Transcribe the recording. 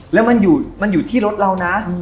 แล้วมันอยู่ที่รถเรานะ